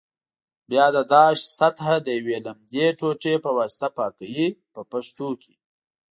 بیا د داش سطحه د یوې لمدې ټوټې په واسطه پاکوي په پښتو کې.